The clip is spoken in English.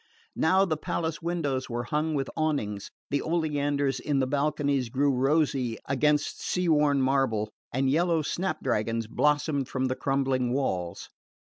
Now the palace windows were hung with awnings, the oleanders in the balconies grew rosy against the sea worn marble, and yellow snap dragons blossomed from the crumbling walls.